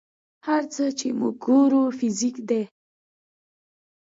هر څه چې موږ ګورو فزیک دی.